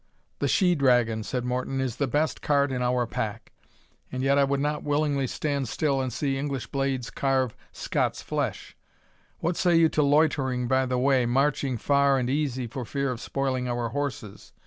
"The she dragon," said Morton, "is the best card in our pack; and yet I would not willingly stand still and see English blades carve Scots flesh What say you to loitering by the way, marching far and easy for fear of spoiling our horses?